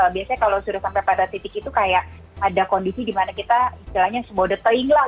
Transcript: biasanya kalau sudah sampai pada titik itu kayak ada kondisi di mana kita istilahnya semudah teing lah